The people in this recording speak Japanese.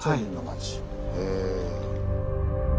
へえ。